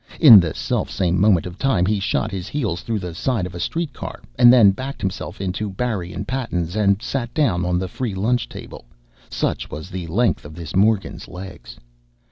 In the self same moment of time, he shot his heels through the side of a street car, and then backed himself into Barry and Patten's and sat down on the free lunch table. Such was the length of this Morgan's legs.